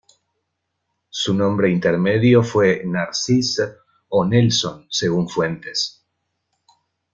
Su nombre intermedio fue "Narcisse" o "Nelson", según fuentes.